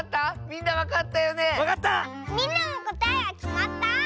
みんなもこたえはきまった？